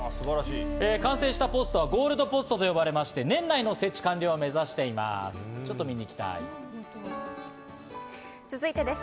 完成したポストはゴールドポストと呼ばれ、年内の設置完了を目指しています。